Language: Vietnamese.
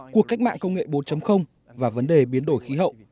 cuộc cách mạng công nghệ bốn và vấn đề biến đổi khí hậu